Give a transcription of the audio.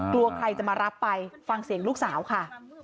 กลัวใครจะมารับไปฟังเสียงลูกสาวค่ะ